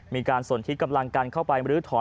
มีการสนที่กำลังกันเข้าไปมรื้อถอน